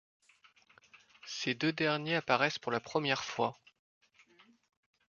Ces deux derniers apparaissent pour la première fois.